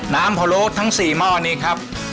น้ำโพโลดทั้ง๔หม้อนี้ครับ